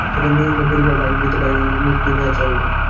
তখন মহেন্দ্র আর পড়িবার ভান করিতে পারিল না–মুখ তুলিয়া চাহিল।